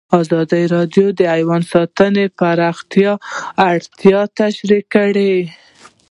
ازادي راډیو د حیوان ساتنه د پراختیا اړتیاوې تشریح کړي.